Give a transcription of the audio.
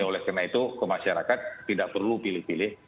oleh karena itu ke masyarakat tidak perlu pilih pilih